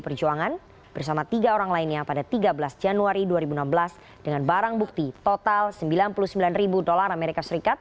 perjuangan bersama tiga orang lainnya pada tiga belas januari dua ribu enam belas dengan barang bukti total sembilan puluh sembilan ribu dolar as